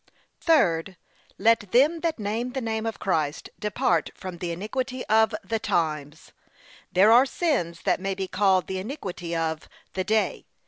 Third, Let them that name the name of Christ depart from the iniquity of THE TIMES. There are sins that may be called the iniquity of the day.